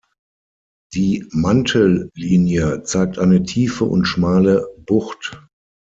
Die Mantellinie zeigt eine tiefe und schmale Bucht.